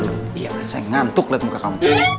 iya saya ngantuk lihat muka kampung